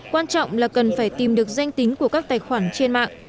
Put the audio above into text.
quan trọng là cần phải tìm được danh tính của các tài khoản trên mạng